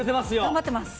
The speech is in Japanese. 頑張ってます。